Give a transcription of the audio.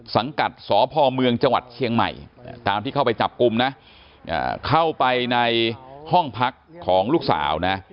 สังกัดสพเมืองจังหวัดเชียงใหม่ตามที่เข้าไปจับกลุ่มนะเข้าไปในห้องพักของลูกสาวนะ